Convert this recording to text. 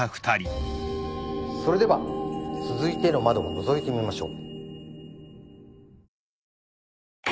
それでは続いての窓をのぞいてみましょう。